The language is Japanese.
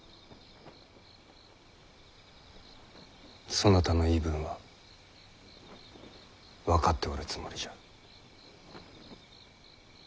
そなたの言い分は分かっておるつもりじゃ。